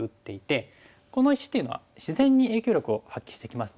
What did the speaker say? この石っていうのは自然に影響力を発揮してきますので。